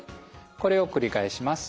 これを繰り返します。